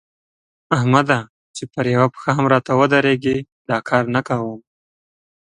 احمده! چې پر يوه پښه هم راته ودرېږي؛ دا کار نه کوم.